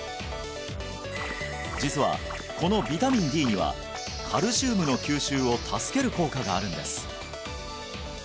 実はこのビタミンＤにはカルシウムの吸収を助ける効果があるんです